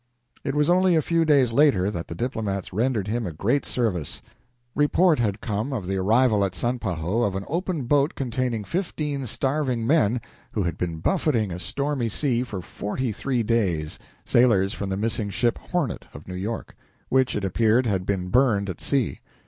It was only a few days later that the diplomats rendered him a great service. Report had come of the arrival at Sanpahoe of an open boat containing fifteen starving men, who had been buffeting a stormy sea for forty three days sailors from the missing ship Hornet of New York, which, it appeared, had been burned at sea.